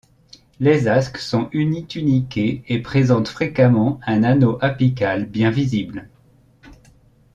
Les asques sont unituniquées et présentent fréquemment un anneau apical bien visible.